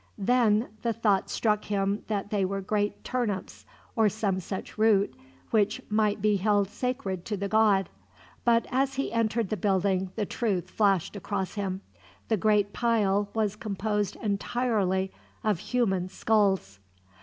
Then the thought struck him they were great turnips, or some such root, which might be held sacred to the god. But as he entered the building the truth flashed across him the great pile was composed entirely of human skulls.